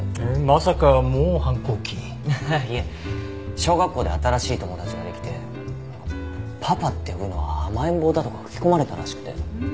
小学校で新しい友達ができてパパって呼ぶのは甘えん坊だとか吹き込まれたらしくて。